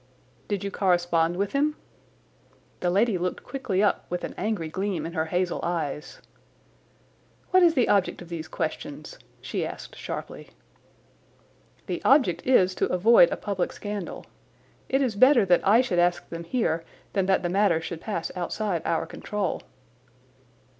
"Did you correspond with him?" The lady looked quickly up with an angry gleam in her hazel eyes. "What is the object of these questions?" she asked sharply. "The object is to avoid a public scandal. It is better that I should ask them here than that the matter should pass outside our control."